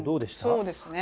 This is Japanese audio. そうですね。